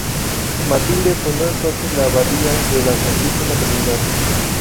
Matilde fundó entonces la abadía de la Santísima Trinidad.